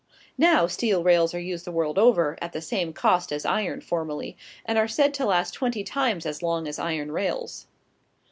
Now, steel rails are used the world over, at the same cost as iron formerly, and are said to last twenty times as long as iron rails.